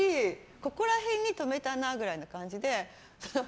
ここら辺に止めたなって感じで。